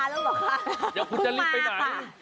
เดี๋ยวคุณจะรีบไปไหน